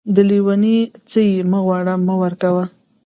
د لېوني څه يې مه غواړه ،مې ورکوه.